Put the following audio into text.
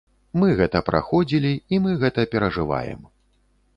Мы гэта праходзілі, і мы гэта перажываем.